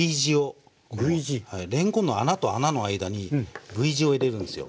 れんこんの穴と穴の間にＶ字を入れるんですよ。